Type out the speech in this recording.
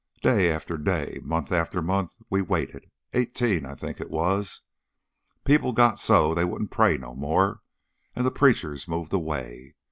Day after day, month after month, we waited eighteen, I think it was. People got so they wouldn't pray no more, and the preachers moved away.